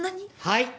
はい。